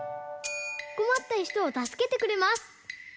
こまったひとをたすけてくれます。